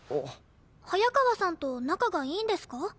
早川さんと仲がいいんですか？